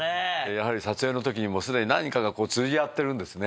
やはり撮影の時にもうすでに何かが通じ合ってるんですね。